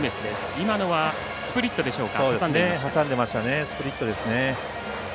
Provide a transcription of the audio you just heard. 今のは、スプリットでしょうか。